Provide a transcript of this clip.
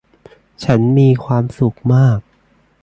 ฉันมีความสุขมาก